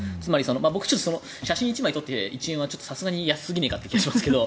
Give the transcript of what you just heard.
僕、写真１枚撮って１円はさすがに安すぎないかと思いますけど。